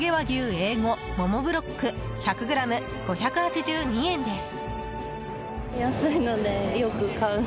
Ａ５ももブロック１００ｇ、５８２円です。